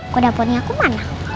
kuda poni aku mana